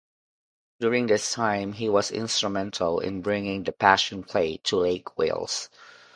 During this time he was instrumental in bringing the Passion Play to Lake Wales.